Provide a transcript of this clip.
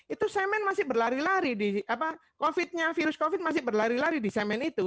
itu semen masih berlari lari di apa covid nya virus covid masih berlari lari di semen itu